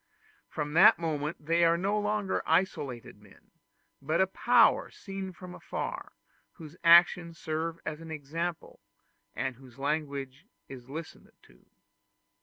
From that moment they are no longer isolated men, but a power seen from afar, whose actions serve for an example, and whose language is listened to.